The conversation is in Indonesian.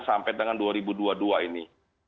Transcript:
sampai dengan dua ribu dua puluh dua ini